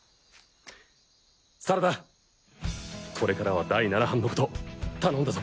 サラダこれからは第七班のこと頼んだぞ。